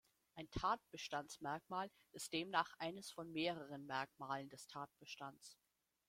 Ein Tatbestandsmerkmal ist demnach eines von mehreren Merkmalen des Tatbestands.